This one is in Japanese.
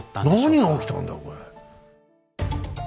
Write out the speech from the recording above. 何が起きたんだこれ。